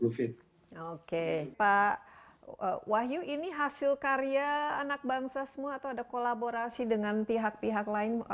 oke pak wahyu ini hasil karya anak bangsa semua atau ada kolaborasi dengan pihak pihak lain